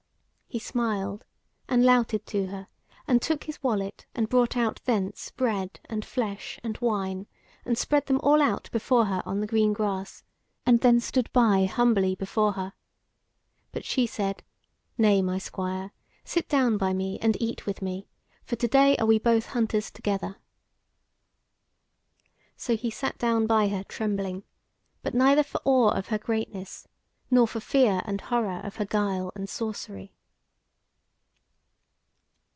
He smiled, and louted to her, and took his wallet and brought out thence bread and flesh and wine, and spread them all out before her on the green grass, and then stood by humbly before her. But she said: "Nay, my Squire, sit down by me and eat with me, for to day are we both hunters together." So he sat down by her trembling, but neither for awe of her greatness, nor for fear and horror of her guile and sorcery.